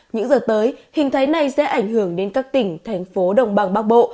những giờ tới hình thái này sẽ ảnh hưởng đến các tỉnh thành phố đồng bằng bắc bộ